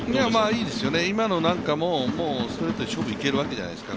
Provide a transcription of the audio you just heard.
いいですよね、今のなんかもストレートで勝負いけるわけじゃないですか。